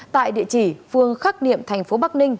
tại địa chỉ phương khắc niệm thành phố bắc ninh